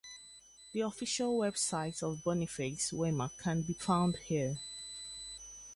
The official website of Boniface Wimmer can be found here.